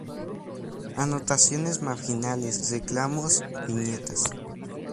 Anotaciones marginales, reclamos, viñetas.